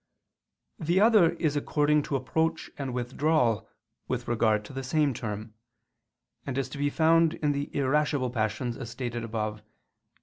The other is according to approach and withdrawal with regard to the same term; and is to be found in the irascible passions, as stated above (Q.